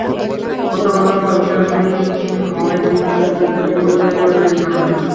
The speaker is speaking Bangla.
গতকাল রোববার হাটের দিন হওয়ায় তিনি সমর্থকদের নিয়ে প্রচারণায় নেমেছেন হাটে।